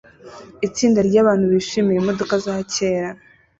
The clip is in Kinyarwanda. Itsinda ryabantu bishimira imodoka za kera